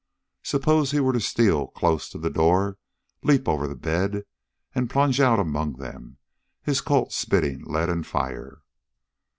Suppose he were to steal close to the door, leap over the bed, and plunge out among them, his Colt spitting lead and fire.